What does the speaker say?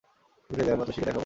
লিখে দে, আমি অতসীকে দেখাবো।